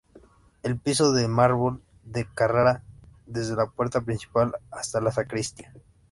El piso es de mármol de Carrara, desde la puerta principal, hasta la sacristía.